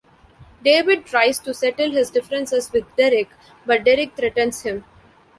David tries to settle his differences with Derek, but Derek threatens him.